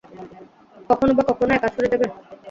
কখনো না কখনো একা ছেঁড়ে যাবে?